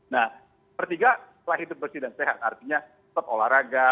nah pertiga setelah hidup bersih dan sehat artinya tetap olahraga